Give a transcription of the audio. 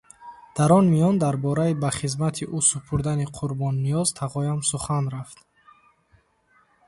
Дар он миён дар бораи ба хизмати ӯ супурдани Қурбонниёз тағоям сухан рафт.